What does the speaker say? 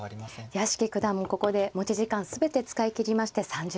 屋敷九段もここで持ち時間全て使い切りまして３０秒将棋に入りました。